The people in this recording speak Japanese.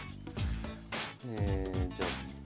えじゃあ